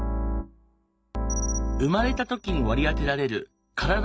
生まれた時に割り当てられる体の性